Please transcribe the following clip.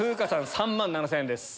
３万７０００円です。